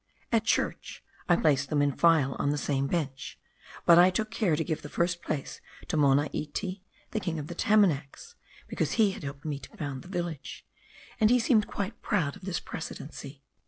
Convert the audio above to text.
At church I placed them in file on the same bench; but I took care to give the first place to Monaiti, king of the Tamanacs, because he had helped me to found the village; and he seemed quite proud of this precedency."